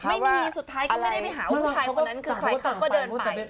เดี๋ยวไม่มีสุดท้ายเขาไม่ได้ไปหาก็ช่องดูว่ามันคือไฟเขาก็เดินไป